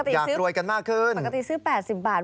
อยากรวยกันมากขึ้นปกติซื้อปกติซื้อ๘๐บาท